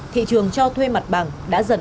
thị trường cho thuê mặt bằng đã dần